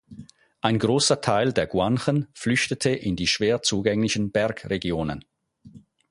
Ein großer Teil der Guanchen flüchtete in die schwer zugänglichen Bergregionen.